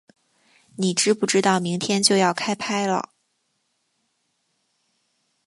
你知不知道明天就要开拍了